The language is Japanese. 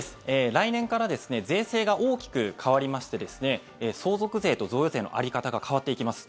来年から税制が大きく変わりまして相続税と贈与税の在り方が変わっていきます。